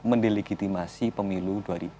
mendilegitimasi pemilu dua ribu sembilan belas